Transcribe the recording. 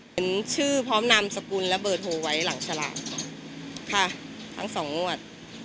เห็นชื่อพร้อมนำสกุลระเบิดโหว้ไว้หลังฉลากค่ะทั้งสองงวด